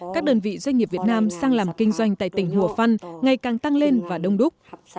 các đơn vị doanh nghiệp việt nam sang làm kinh doanh tại tỉnh hùa phân ngày càng tăng lên và đông đúc